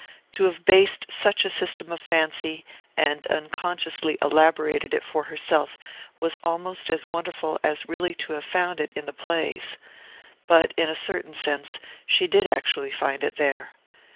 To have based such a system on fancy, and unconsciously elaborated it for herself, was almost as wonderful as really to have found it in the plays. But, in a certain sense, she did actually find it there.